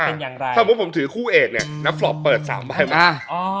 จะเป็นอย่างไรถ้าผมถือคู่เอกเนี่ยนับฟลอปเปิดสามใบมากอ๋อ